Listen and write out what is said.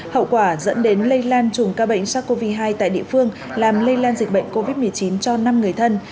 hậu quả dẫn đến lây lan chùm ca bệnh sars cov hai tại địa phương làm lây lan dịch bệnh covid một mươi chín cho năm người thân